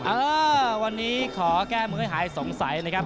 เออวันนี้ขอแก้มือให้หายสงสัยนะครับ